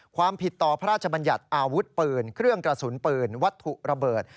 ความผิดต่อพระราชบัญญัติอาวุธปืนเครื่องกระสุนปืนวัตถุระเบิด